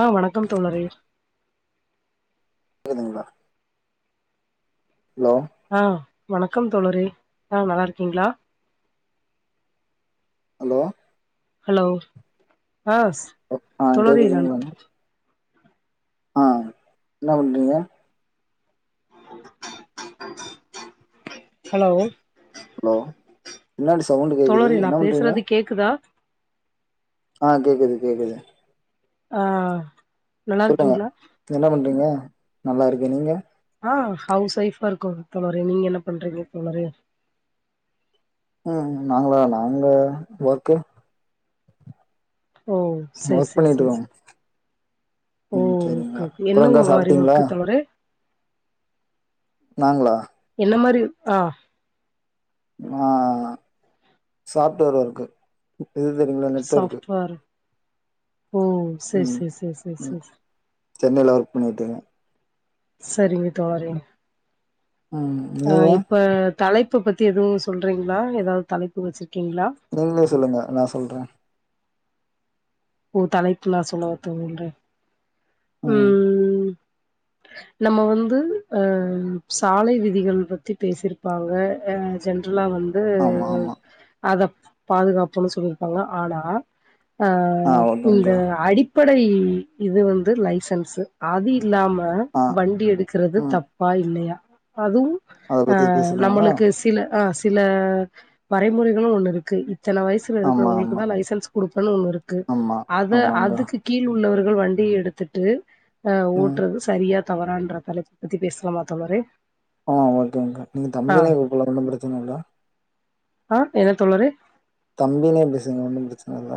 ஆஹ் வணக்கம் தோழரே குதுங்ளா ஆஹ் வணக்கம் தோழரே ஆஹ் நல்லார்க்கீங்ளா ஹலோ ஹலோ ஆஸ் ஆ தோழரே நான் கேக்குதுங்களா ஆ என்னா பண்றீங்க ஹலோ ஹலோ பின்னாடி சவுண்டு கேக்குது தோழரே நா என்ன பண்றீங்க பேசுறது கேக்குதா ஆ கேக்குது கேக்குது ஆ நல்லா சொல்லுங்க இருக்கீங்களா என்ன பண்றீங்க நல்லா இருக்கே நீங்க ஆ ஹவுஸ் ஒய்ஃபா இருக்கோங் தோழரே நீங்க என்ன பண்றீங்க தோழரே ம் நாங்களா நாங்க ஒர்கு ஓ சேர் ஒர்க் சேர் பண்ணிட்டு சேர் சேர் இருக்கோம் ஓ ம் ஒர்கு சரிங்களா என்ன அப்புறம் எதா மாரி சாப்பிட்டீங்களா ஒர்க்கு தோழரே நாங்ளா ன்ன மாரி ஆ ஆ சாஃப்ட்வேர் ஒர்க்கு இது தெரியுங்ளா நெட்ஒர்க்கு சாஃப்ட்வேர் ஓ சேர் ம் சேர் சேர் சேர் ம் சேர் சென்னையில ஒர்க் பண்ணிட்டுருக்கே சரிங்க தோழரே ம் ஆ நீங்க இப்ப தலைப் ப்ப பத்தி எதுவு சொல்றீங்ளா ஏதாவ்து தலைப்பு வச்சுறுக் நீங்ளே சொல்லுங்க நா சொல்ற ஓ தலைப்பு நா சொல்லவா தோழரே ம் நம்ம வந்து அ சாலை விதிகள் பத்தி பேசிருப்பாங்க அ ஜென்ரல் ர்லா வந்து ஆமா ஆமா அத பாதுகாப்போன்னு சொல்லிருப்பாங்க ஆனா அ ஆ இந்த ஓகேங்கா அடிப்படை இது வந்து லைசன்ஸு அது இல்லாம ஆ வண்டி எடுக்குறது ம் தப்பா இல்லையா அதுவும் அத ஆ பத்தி பேசுறாங்களா நம்மளுக்கு சில ஆ தில வரைமுறைகளு ஒண்ணுருக்கு இத்தன வயசுல ஆமா இருக்கிறவங்களுக்கு ஆமா தா லைசன்ஸ் குடுக்கணு ஒண்ணு இருக்கு ஆமா அத ஆமாங்கா அதுக்கு கீழ் உள்ளவர்கள் வண்டிய எடுத்துட்டு அ ம் ஓட்றது சரியா தவறான்ற தலைப்பு பத்தி பேசலாமா தோழரே ஆ ஓகேங்கா நீங்க ஆ தம்பினே கூப்புலா ஒன்னு பிரச்சன இல்ல ஆ என்ன தோழரே தம்பினே பேசுங்க ஒன்னு பிரச்சன இல்ல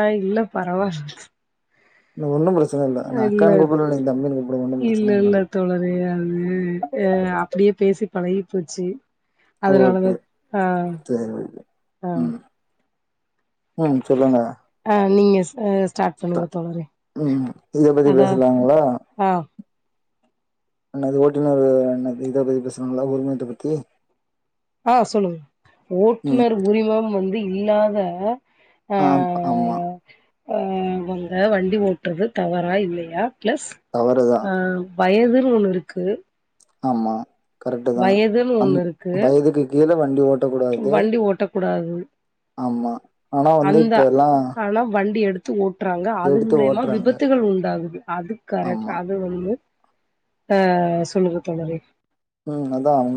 ஆ இல்ல பரவால்ல ஒன்னு பிரச்சன நா இல்ல அக்கான்னு கூப்பல நீங்க தம்பின்னு கூப்புடுங்க ஒன்னு இல்ல பிரச்சன இல்ல தோழரே அது அப் ப்டியே பேசி பழகி போச்சி அதனாலதா ஓகே ஆ சரி ஓகே ஆ ம் ம் சொல்லுங்க ஆ நீங்க ஸ் அ ஸ்டார்ட் தா பண்ணுங்க தோழரே ம் இத பத்தி அதா பேசலாங்களா ஆ என்ன அது ஓட்டுநரு அன்னஇத பத்தி பேசுறாங்களா உரிமத்த பத்தி ஆ சொல்லுங்க ம் ஓட்டுநர் உரிமம் வந்து இல்லாத ஆ ஆம்ப ஆமா ஆ அவங்க வண்டி ஓட்றது தவறா இல்லையா பிளஸ் தவறுதா ஆ வயதுன் ஒண்ணு இருக்கு ஆமா கரெக்ட் தா வயதுன்னு அன் ஒண்ணு இருக்கு வயதுக்கு கீழ வண்டி ஓட்டக் கூடாது வண்டி ஓட்டக்கூடாது ஆமா ஆனா வந்து இப்ப எல்லா த்து ஓட்டுறாங்க அது எடுத்து மூலயமா ஓட்டுறாங்க. விபத்துகள் உண்டாகுது அது கரெக் ஆமா. அது வந்து அ சொல்லுங்க தோழரே ம் அதான ஒங்குளுக்